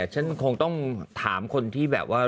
ฉันคงต้องถามคนที่แบบว่า